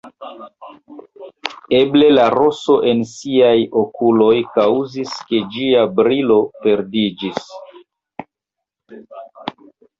Eble la roso en ŝiaj okuloj kaŭzis, ke ĝia brilo perdiĝis.